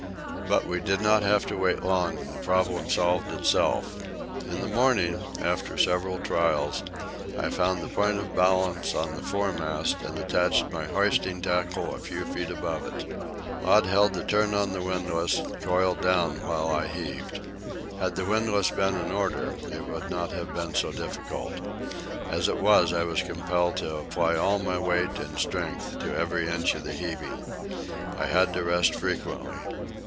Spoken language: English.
But we did not have to wait long, and the problem solved itself. In the morning, after several trials, I found the point of balance in the foremast and attached my hoisting tackle a few feet above it. Maud held the turn on the windlass and coiled down while I heaved. Had the windlass been in order it would not have been so difficult; as it was, I was compelled to apply all my weight and strength to every inch of the heaving. I had to rest frequently.